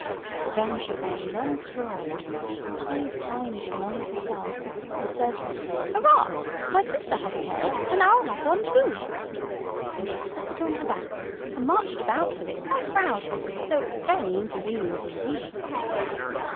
Then she found a long straw, five times as long as herself, and said, "Hurrah! my sister has a tail, and I'll have one too;" and she stuck it on her back, and marched about with it quite proud, though it was very inconvenient indeed.